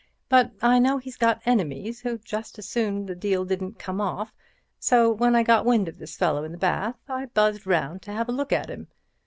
But I know he's got enemies who'd just as soon the deal didn't come off, so when I got wind of this fellow in the bath, I buzzed round to have a look at him.